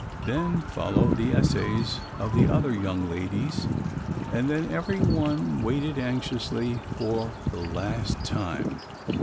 Then followed the essays of the other young ladies and then every one waited anxiously for 'The Last Time.'